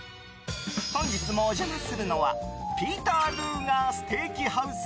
本日もお邪魔するのはピーター・ルーガー・ステーキハウス